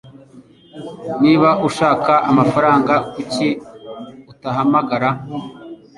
Niba ushaka amafaranga, kuki utahamagara ?